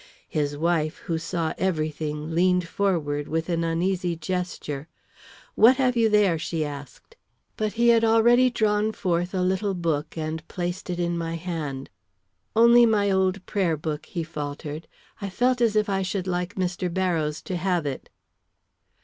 His wife, who saw every thing, leaned forward with an uneasy gesture. "What have you there?" she asked. But he had already drawn forth a little book and placed it in my hand. "Only my old prayer book," he faltered. "I felt as if I should like Mr. Barrows to have it."